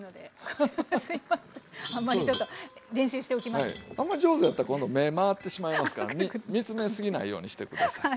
はいあんまり上手やったら今度目回ってしまいますから見つめすぎないようにして下さい。